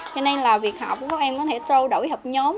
cho nên là việc học của các em có thể sôi đổi học nhóm